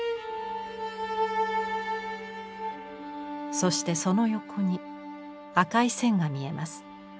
そしてその横に赤い線が見えます。